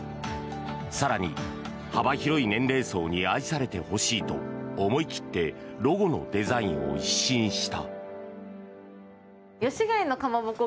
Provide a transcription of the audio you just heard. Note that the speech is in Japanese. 更に、幅広い年齢層に愛されてほしいと思い切ってロゴのデザインを一新した。